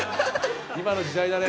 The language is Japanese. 今の時代だね。